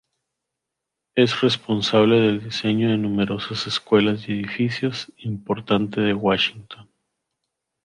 Es responsable del diseño de numerosas escuelas y edificios importante de Washington.